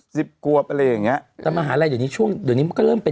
สั่งงานไปอธรรมดีสิทธิ์